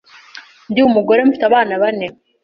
Ndi umugore mfite abana bane